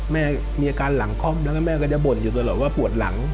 แม่มีอาการหลังคล่อมแล้วแม่ก็จะบ่นอยู่ตลอดว่าปวดหลัง